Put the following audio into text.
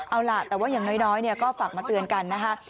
เอาล่ะแต่ว่าอย่างน้อยก็ฝากมาเตือนกันนะคะ